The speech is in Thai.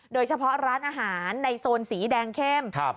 โดยเฉพาะร้านอาหารในโซนสีแดงเข้ม